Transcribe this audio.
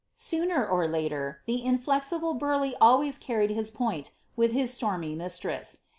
Sooner or later, the inflexible Burleigh always carried his point with his stormy mistress.